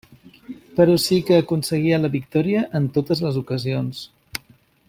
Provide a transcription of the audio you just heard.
Però sí que aconseguia la victòria en totes les ocasions.